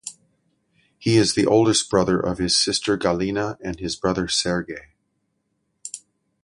He is the oldest brother of his sister Galina and his brother Sergey.